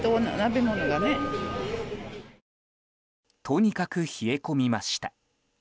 とにかく冷え込みました。